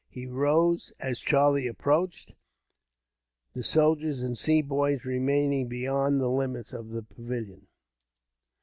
He rose, as Charlie approached, the soldiers and Sepoys remaining beyond the limits of the pavilion.